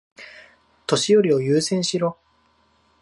年寄りを優先しろ。